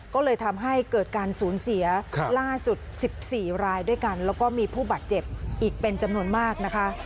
ก็เลยทำให้เกิดการสูญเสียล่าสุด๑๔รายด้วยกันแล้วก็มีผู้บาดเจ็บอีกเป็นจำนวนมากนะคะ